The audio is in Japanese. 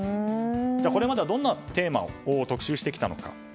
これまではどんなテーマを特集してきたのか。